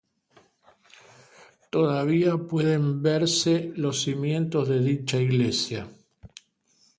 Todavía pueden verse los cimientos de dicha iglesia.